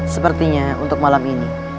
sepertinya untuk malam ini